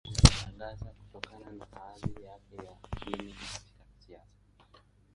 Uteuzi wake ulishangaza, kutokana na hadhi yake ya chini katika siasa.